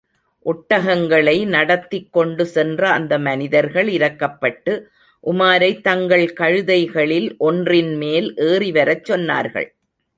ஒட்டகங்களை நடத்திக்கொண்டு சென்ற அந்த மனிதர்கள் இரக்கப்பட்டு, உமாரைத் தங்கள் கழுதைகளில் ஒன்றின்மேல் ஏறி வரச் சொன்னார்கள்.